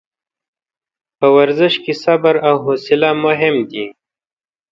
په ورزش کې صبر او حوصله مهم دي.